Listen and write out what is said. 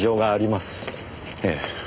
ええ。